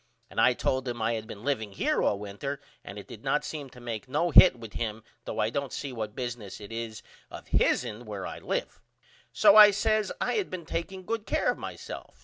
And I told him I had been liveing here all winter and it did not seem to make no hit with him though I don't see what business it is of hisn where I live. So I says I had been takeing good care of myself.